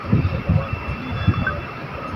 hadi mwaka elfu moja mia tisa tisini